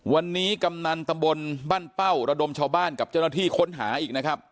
วันนี้กำนันตำบลบ้านเป้าระดมชาวบ้านกับเจ้าหน้าที่ค้นหาอีกนะครับ